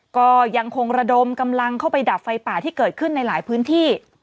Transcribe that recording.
ก็ยังคงระดมกำลังเข้าไปดับไฟป่าที่เกิดขึ้นในหลายพื้นที่